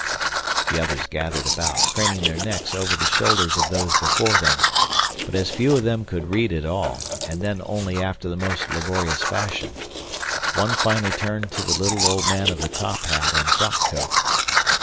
The others gathered about, craning their necks over the shoulders of those before them, but as few of them could read at all, and then only after the most laborious fashion, one finally turned to the little old man of the top hat and frock coat.